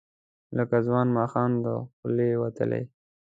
لکه د ځوان ماښام، د خولې وتلې،